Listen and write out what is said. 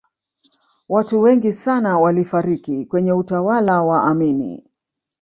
watu wengi sana walifariki kwenye utawala wa amini